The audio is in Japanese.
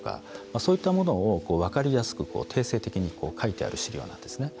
そういったものを分かりやすく定性的に書いてある資料なんです。